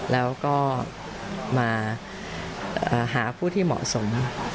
แล้วก็มาหาผู้ที่เหมาะสม